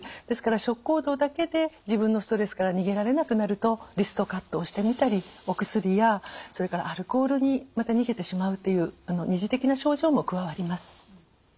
ですから食行動だけで自分のストレスから逃げられなくなるとリストカットをしてみたりお薬やそれからアルコールにまた逃げてしまうっていう２次的な症状も加わります。